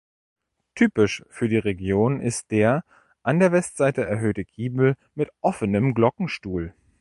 Typisch für die Region ist der an der Westseite erhöhte Giebel mit offenem Glockenstuhl.